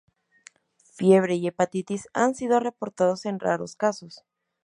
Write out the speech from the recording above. Fiebre y hepatitis han sido reportados en raros casos.